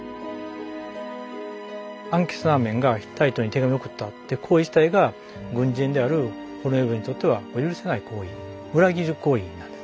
アンケセナーメンがヒッタイトに手紙を送ったって行為自体が軍人であるホルエムヘブにとっては許せない行為裏切り行為なんです